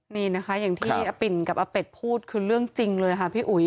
นี่นะคะอย่างที่อปิ่นกับอาเป็ดพูดคือเรื่องจริงเลยค่ะพี่อุ๋ย